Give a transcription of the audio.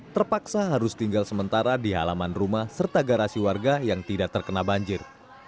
terpaksa harus tinggal sementara di halaman rumah serta garasi warga yang tidak terkena banjir